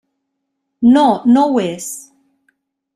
No, no ho és.